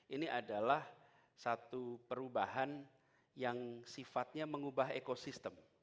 ini adalah satu perubahan yang sifatnya mengubah ekosistem